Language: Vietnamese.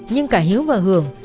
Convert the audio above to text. nhưng cả hiếu và hường